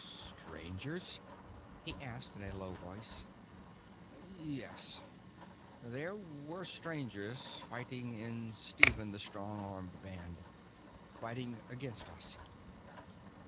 "Strangers?" he asked in a low voice. "Yes, there were Strangers fighting in Stephen the Strong Armed's band. Fighting against us.